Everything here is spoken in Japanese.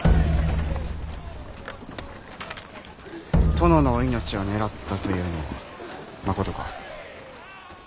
殿のお命を狙ったというのはまことか。